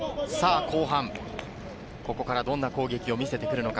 後半、ここからどんな攻撃を見せてくるのか。